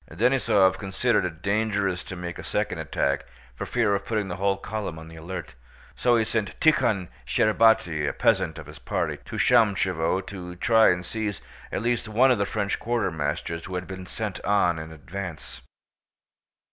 Denísov considered it dangerous to make a second attack for fear of putting the whole column on the alert, so he sent Tíkhon Shcherbáty, a peasant of his party, to Shámshevo to try and seize at least one of the French quartermasters who had been sent on in advance.